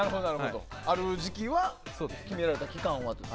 ある時期は決められた期間はっていう。